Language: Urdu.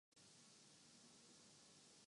ظاہر ہے کہ یہ اپوزیشن کی تائید ہی سے ممکن ہو گا۔